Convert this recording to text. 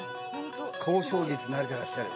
交渉術慣れてらっしゃる。